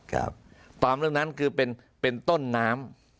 ความเรื่องนั้นคือเป็นต้นน้ำ